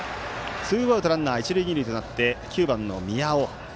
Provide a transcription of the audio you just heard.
ツーアウト、ランナー一塁二塁となって９番の宮尾。